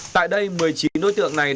tại đây một mươi chín đối tượng này